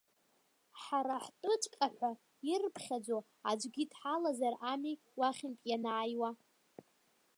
Ҳара ҳтәыҵәҟьаҳәа ирԥхьаӡо аӡәгьы дҳалазар ами уахьынтә ианааиуа.